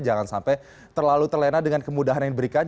jangan sampai terlalu terlena dengan kemudahan yang diberikan